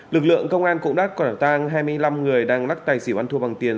lực lượng công an cũng đã quả tang hai mươi năm người đang lắc tài xỉu ăn thua bằng tiền